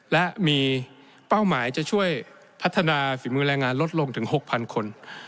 และมีเป้าหมายจะช่วยพัฒนาฝีมือแรงงานลดลงถึง๖๐๐คน